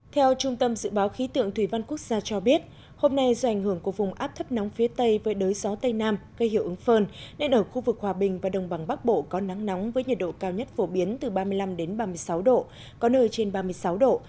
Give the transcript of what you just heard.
theo trung tâm dự báo khí tượng thủy văn quốc gia cho biết hôm nay do ảnh hưởng của vùng áp thấp nóng phía tây với đới gió tây nam gây hiệu ứng phơn nên ở khu vực hòa bình và đồng bằng bắc bộ có nắng nóng với nhiệt độ cao nhất phổ biến từ ba mươi năm ba mươi sáu độ có nơi trên ba mươi sáu độ